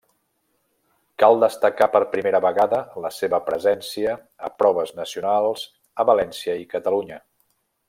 Cal destacar per primera vegada la seva presència a proves nacionals a València i Catalunya.